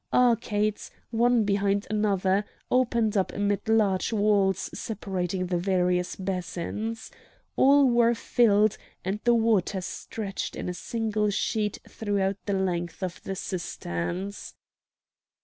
Arcades, one behind another, opened up amid large walls separating the various basins. All were filled, and the water stretched in a single sheet throughout the length of the cisterns.